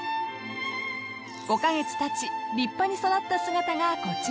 ［５カ月たち立派に育った姿がこちら］